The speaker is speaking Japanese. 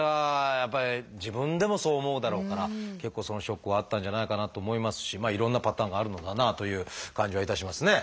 やっぱり自分でもそう思うだろうから結構そのショックはあったんじゃないかなと思いますしいろんなパターンがあるのだなという感じはいたしますね。